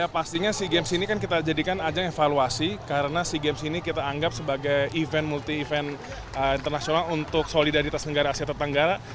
pastinya sea games ini kan kita jadikan ajang evaluasi karena sea games ini kita anggap sebagai event multi event internasional untuk solidaritas negara asia tenggara